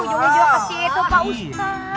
ujung ujung ke situ pak ustadz